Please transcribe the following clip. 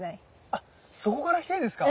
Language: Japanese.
あそこから来てるんですか。